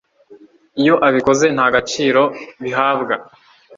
iyo abikoze nta gaciro bihabwa